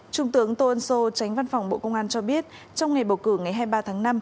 trung tướng tô ân sô tránh văn phòng bộ công an cho biết trong ngày bầu cử ngày hai mươi ba tháng năm